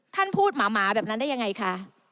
ท่านพูดหมาแบบนั้นได้ยังไงคะ